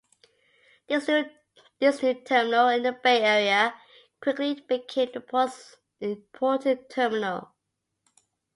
This new terminal, in the Bay Area, quickly became the port's most important terminal.